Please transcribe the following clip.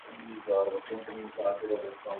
چیزوں کو ان کی رفتار سے چلتا رہنے دیتا ہوں